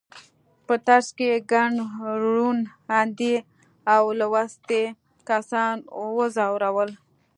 په ترڅ کې یې ګڼ روڼ اندي او لوستي کسان وځورول.